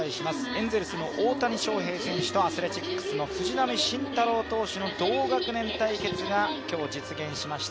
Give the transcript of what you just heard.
エンゼルスの大谷翔平選手とアスレチックスの藤浪晋太郎投手の同学年対決が今日実現しました。